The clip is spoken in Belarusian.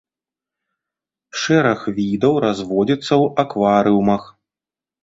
Шэраг відаў разводзіцца ў акварыумах.